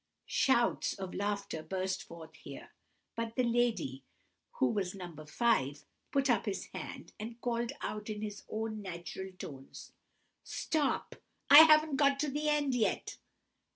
Shouts of laughter burst forth here; but the lady (who was No. 5) put up his hand, and called out in his own natural tones:— "Stop! I haven't got to the end yet!"